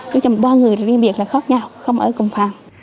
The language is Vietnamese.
ví dụ ba người riêng việc là khác nhau không ở cùng phòng